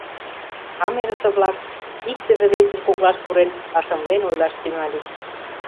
Камерысе-влак, иктыже-весыж коклаш пурен, пашымлен ойлаш тӱҥальыч.